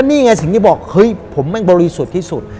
นี่ไงสิ่งที่บอกเฮ้ยผมแม่งบริสุทธิ์ที่สุด